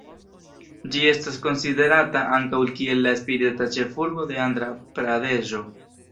Ĝi estas konsiderata ankaŭ kiel la spirita ĉefurbo de Andra-Pradeŝo.